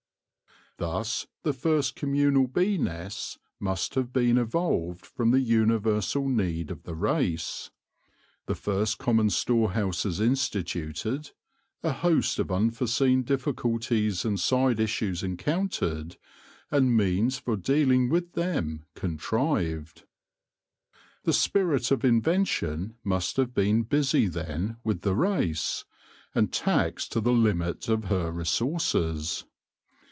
Thus the first com munal bee nests must have been evolved from the universal need of the race : the first common store houses instituted: a host of unforeseen difficulties and side issues encountered, and means for dealing with them contrived. The spirit of invention must have been busy then with the race, and taxed to the limit of her resources.